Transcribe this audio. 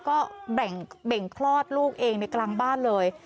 ก็เบ่งคลอดลูกเองในกลางบ้านเลย